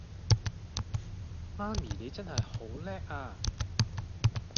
媽咪你真係好叻呀